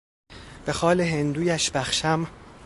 به خال هندویش بخشم...